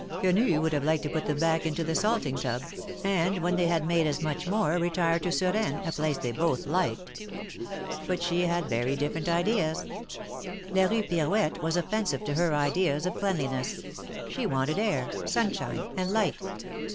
Qiienii would have liked to put them back into the salting tub, and when they had made as much more, retire to Suresnes, a place they both liked. . But she had very different ideas. La Kue Pirouette was offensive to her ideas of cleanliness. She wanted air, sunshine and light.